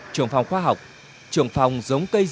trường phòng khoa học trường phòng giống cây rừng